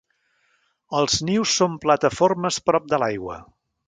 Els nius són plataformes prop de l'aigua.